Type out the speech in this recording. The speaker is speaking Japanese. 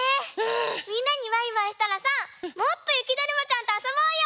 みんなにバイバイしたらさもっとゆきだるまちゃんとあそぼうよ！